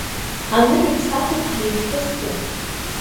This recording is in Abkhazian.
Аныҳәа ԥсаҭатәда имҩаԥысӡом.